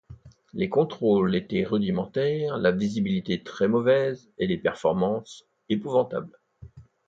Les contrôles étaient rudimentaires, la visibilité très mauvaise, et les performances épouvantables.